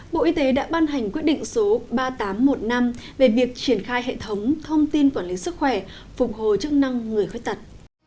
bộ y tế đã ban hành quyết định số ba nghìn tám trăm một mươi năm về việc triển khai hệ thống thông tin quản lý sức khỏe phục hồi chức năng người khuyết tật